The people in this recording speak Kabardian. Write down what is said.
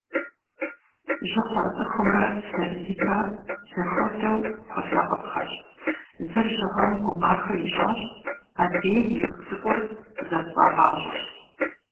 Жьы хъуа цӏыхумрэ, сэбиймрэ, зэхуэдэу хуэсакъыпхъэщ. Зыр жьыгъэм гумахэ ищӏащ, адрейм игу цӏыкӏур зэпцӏагъащӏэщ.